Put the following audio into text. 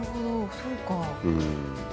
そうか。